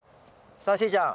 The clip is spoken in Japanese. さあしーちゃん